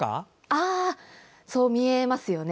そう見えますよね。